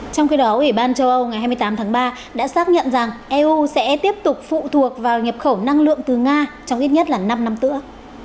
trong khi đó ủy ban châu âu ngày hai mươi tám tháng ba đã xác nhận rằng eu sẽ tiếp tục phụ thuộc vào nhập khẩu năng lượng từ nga trong ít nhất là năm năm nữa